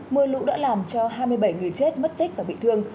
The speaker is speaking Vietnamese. mưa lũ đã làm cho hai mươi bảy người chết mất tích và bị thương